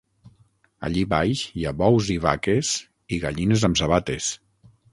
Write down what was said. Allí baix hi ha bous i vaques i gallines amb sabates.